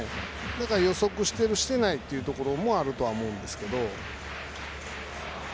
だから予測してるしてないというところもあるとは思うんですけど。